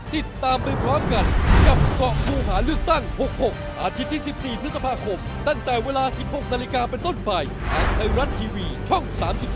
ติดตามไปพร้อมกันกับเกาะผู้หาเลือกตั้ง๖๖อาทิตย์ที่๑๔พฤษภาคมตั้งแต่เวลา๑๖นาฬิกาเป็นต้นไปทางไทยรัฐทีวีช่อง๓๒